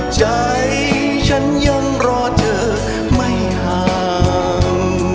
ใจฉันยังรอเธอไม่ห่าง